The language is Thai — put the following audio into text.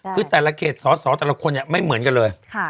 คือแต่ละเขตสอสอแต่ละคนเนี่ยไม่เหมือนกันเลย